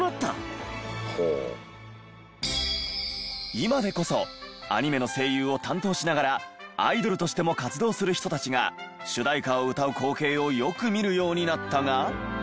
今でこそアニメの声優を担当しながらアイドルとしても活動する人たちが主題歌を歌う光景をよく見るようになったが。